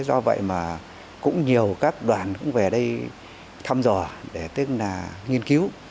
do vậy mà cũng nhiều các đoàn cũng về đây thăm dò tức là nghiên cứu